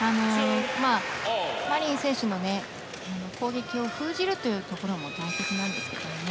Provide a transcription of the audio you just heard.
マリン選手の攻撃を封じるというところも大切なんですけれどもね。